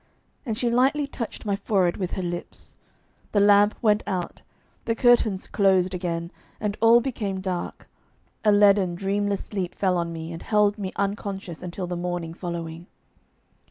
And she lightly touched my forehead with her lips. The lamp went out, the curtains closed again, and all became dark; a leaden, dreamless sleep fell on me and held me unconscious until the morning following.